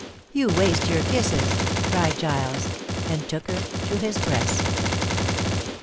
"You waste your kisses," cried Giles, and took her to his breast.